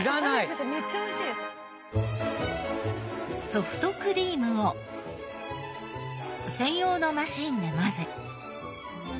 ソフトクリームを専用のマシンで混ぜ。